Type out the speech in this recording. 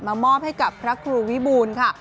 มอบให้กับพระครูวิบูรณ์ค่ะ